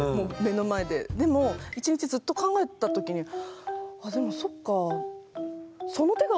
でも一日ずっと考えてた時にああでもそっかえ。